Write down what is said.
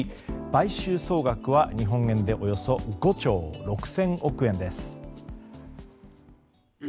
買収総額は日本円でおよそ５兆６０００億円です。